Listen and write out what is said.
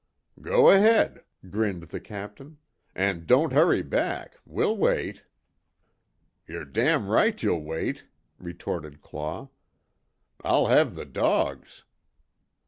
"Go ahead," grinned the Captain, "An' don't hurry back, we'll wait." "Yer damn right you'll wait!" retorted Claw, "I'll have the dogs."